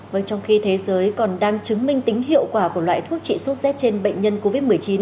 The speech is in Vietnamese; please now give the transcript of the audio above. vâng trong khi thế giới còn đang chứng minh tính hiệu quả của loại thuốc trị sốt z trên bệnh nhân covid một mươi chín